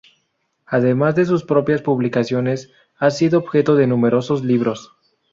Además de sus propias publicaciones, ha sido objeto de numerosos libros.